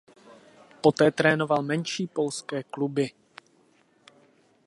Poté trénoval menší polské kluby.